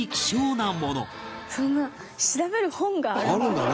そんな調べる本があるんだ。